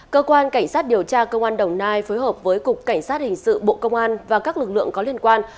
cơ quan cảnh sát điều tra công an đồng nai phối hợp với cục cảnh sát hình sự bộ công an và các lực lượng có liên quan